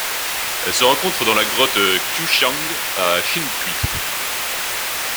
Elle se rencontre dans la grotte Qiuxiang à Xingyi.